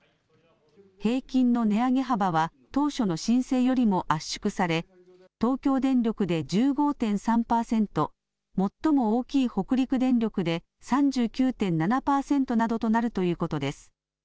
平均の値上げ幅は当初の申請よりも圧縮され東京電力で１５．３％、最も大きい北陸電力で３９．７％などとなるということです。